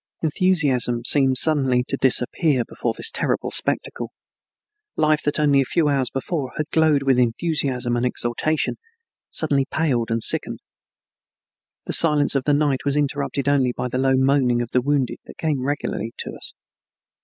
Enthusiasm seemed suddenly to disappear before this terrible spectacle. Life that only a few hours before had glowed with enthusiasm and exultation, suddenly paled and sickened. The silence of the night was interrupted only by the low moaning of the wounded that came regularly to us.